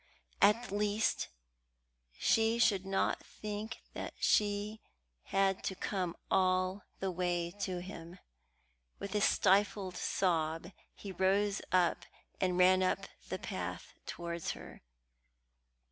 At least she should not think that she had to come all the way to him. With a stifled sob, he rose and ran up the path towards her.